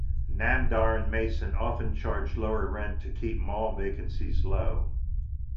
Namdar and Mason often charge lower rent to keep mall vacancies low.